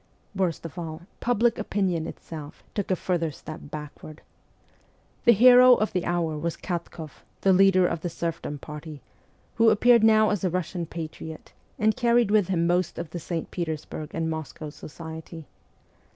Worst of all, public opinion itself took a further step backward. The hero of the hour was Katkoff, the leader of the serfdom party, who appeared now as a Russian ' patriot/ and carried with him most of the St. Petersburg and Moscow society.